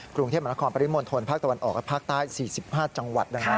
กรุงเทพมนาคมปริมณ์โทนภาคตะวันออกภาคใต้๔๕จังหวัด